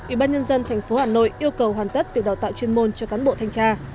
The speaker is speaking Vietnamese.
ủy ban nhân dân tp hà nội yêu cầu hoàn tất việc đào tạo chuyên môn cho cán bộ thanh tra